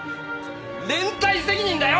連帯責任だよ！